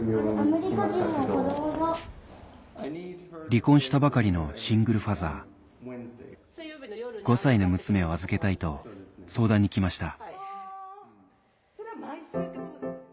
離婚したばかりのシングルファザー５歳の娘を預けたいと相談に来ました